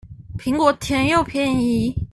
蘋果甜又便宜